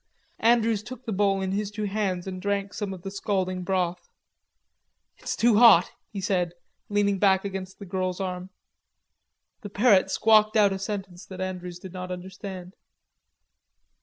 Andrews took the bowl in his two hands and drank some of the scalding broth. "It's too hot," he said, leaning back against the girl's arm. The parrot squawked out a sentence that Andrews did not understand.